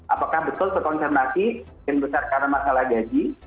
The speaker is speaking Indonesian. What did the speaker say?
apakah betul terkonfirmasi mungkin besar karena masalah gaji